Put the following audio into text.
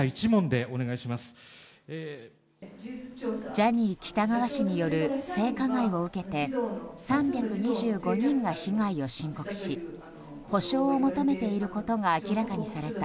ジャニー喜多川氏による性加害を受けて３２５人が被害を申告し補償を求めていることが明らかにされた、